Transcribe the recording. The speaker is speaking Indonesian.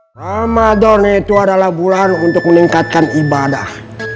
ramadan itu adalah bulan untuk meningkatkan ibadah